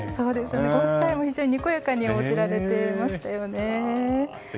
ご夫妻も非常に、にこやかに応じられていましたよね。